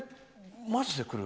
マジで来る？